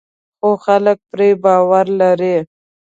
خو خلک پرې باور لري.